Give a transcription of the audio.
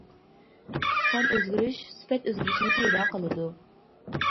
سان ئۆزگىرىش سۈپەت ئۆزگىرىشنى پەيدا قىلىدۇ.